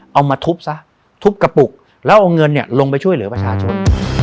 เอามาทุบซะทุบกระปุกแล้วเอาเงินเนี่ยลงไปช่วยเหลือประชาชน